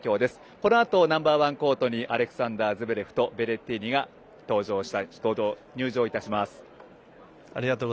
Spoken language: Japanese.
このあとナンバー１コートにアレクサンダー・ズベレフとベレッティーニが入場します。